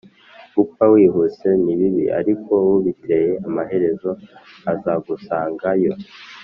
gupfa wihuse ni bibi ariko ubiteye amaherezo azagusanga yo